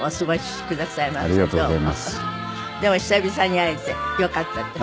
でも久々に会えてよかったです。